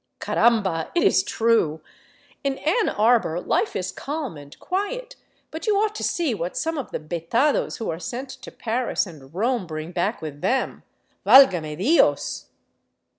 '' Caramba, it is true ! In Ann Arbor life is calm and quiet ; but you ought to see what some of the betados who are sent to Paris and Rome bring back with them ! Valgame Dios